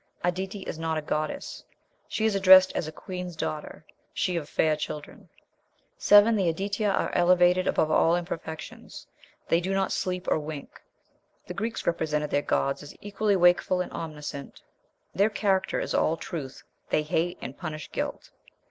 "Aditi is not a goddess. She is addressed as a queen's daughter, she of fair children." 7. The Aditya "are elevated above all imperfections; they do not sleep or wink." The Greeks represented their gods as equally wakeful and omniscient. "Their character is all truth; they hate and punish guilt."